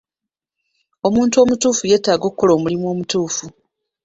Omuntu omutuufu yeetaaga okukola omulimu omutuufu.